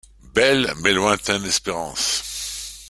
Belle, mais lointaine espérance.